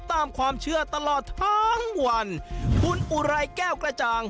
ตามความเชื่อตลอดทั้งวันคุณอุไรแก้วกระจ่าง